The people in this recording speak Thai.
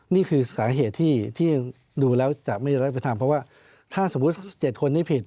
นี่คือสาเหตุที่ดูแล้วจะไม่ได้ไปทำเพราะว่าถ้าสมมุติ๗คนนี้ผิด